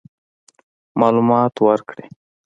معلومات ورکړي.